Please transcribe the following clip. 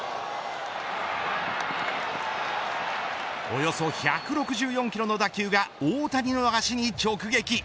およそ１６４キロの打球が大谷の足に直撃。